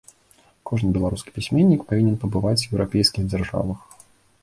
Кожны беларускі пісьменнік павінен пабываць у еўрапейскіх дзяржавах.